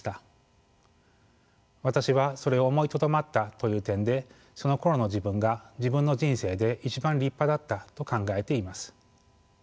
私はそれを思いとどまったという点でそのころの自分が自分の人生で一番立派だったと考えています。